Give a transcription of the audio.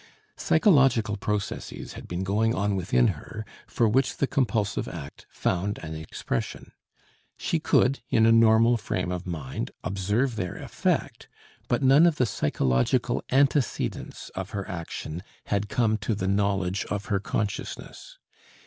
Psychological processes had been going on within her for which the compulsive act found an expression. She could, in a normal frame of mind, observe their effect, but none of the psychological antecedents of her action had come to the knowledge of her consciousness.